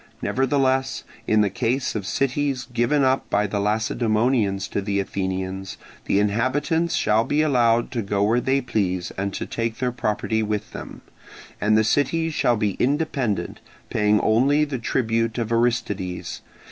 Nevertheless, in the case of cities given up by the Lacedaemonians to the Athenians, the inhabitants shall be allowed to go where they please and to take their property with them: and the cities shall be independent, paying only the tribute of Aristides.